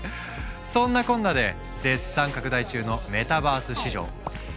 そんなこんなで絶賛拡大中のメタバース市場。